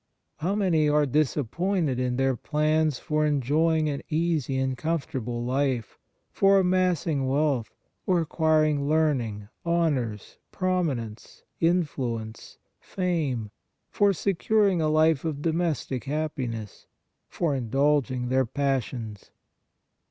How many are disap pointed in their plans for enjoying an easy and comfortable life, for amassing wealth, or acquiring learning, honors, prominence, influence, fame, for securing a life of domestic happiness, for indulging their passions!